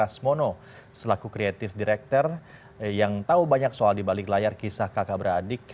selaku kreatif direktur yang tahu banyak soal di balik layar kisah kakak beradik